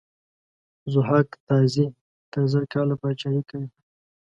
ضحاک تازي تر زر کاله پاچهي کوي.